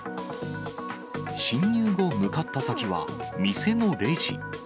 侵入後、向かった先は店のレジ。